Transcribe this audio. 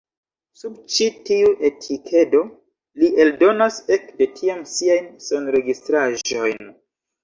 Sub ĉi tiu etikedo li eldonas ekde tiam siajn sonregistraĵojn.